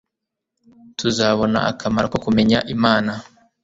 tuzabona akamaro ko kumenya imana